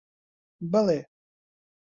بەڵێ.